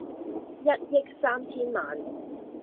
一億三千萬